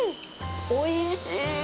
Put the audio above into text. おいしい。